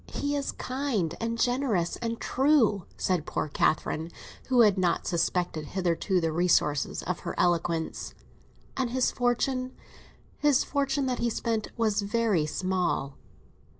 He is kind, and generous, and true," said poor Catherine, who had not suspected hitherto the resources of her eloquence. "And his fortune—his fortune that he spent—was very small!"